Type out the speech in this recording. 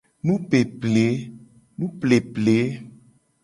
Nupeple.